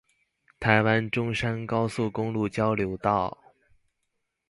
臺灣中山高速公路交流道